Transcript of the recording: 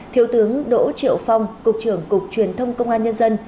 thiếu tướng đỗ triệu phong cục trưởng cục truyền thông công an nhân dân